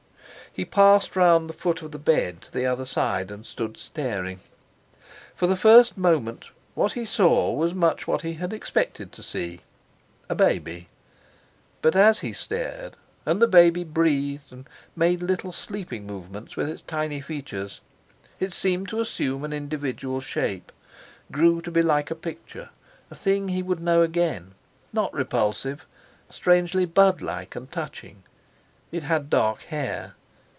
He passed round the foot of the bed to the other side and stood staring. For the first moment what he saw was much what he had expected to see—a baby. But as he stared and the baby breathed and made little sleeping movements with its tiny features, it seemed to assume an individual shape, grew to be like a picture, a thing he would know again; not repulsive, strangely bud like and touching. It had dark hair.